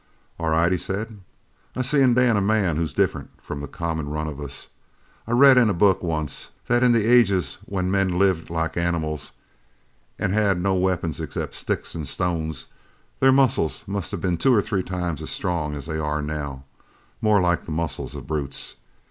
"All right," he said. "I see in Dan a man who's different from the common run of us. I read in a book once that in the ages when men lived like animals an' had no weapons except sticks and stones, their muscles must have been two or three times as strong as they are now more like the muscles of brutes.